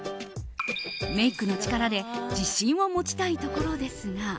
メイクの力で自信を持ちたいところですが。